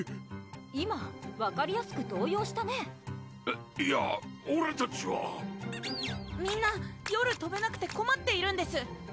今分かりやすく動揺したねいいやオレたちはみんな夜とべなくてこまっているんです